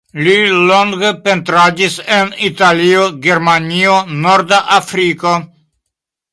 Li longe pentradis en Italio, Germanio, Norda Afriko.